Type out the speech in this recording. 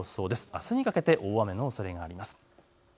あすにかけて大雨のおそれがあります。